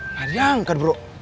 nggak diangkat bro